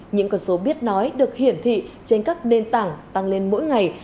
những con số biết nói được hiển thị trên các nền tảng tăng lên mỗi ngày